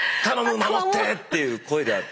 守ってっていう声であると。